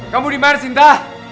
kamu dimana sinta